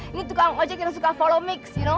ini tukang ojek yang suka follow mix